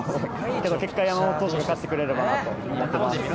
結果、山本投手が勝ってくれればいいなと思います。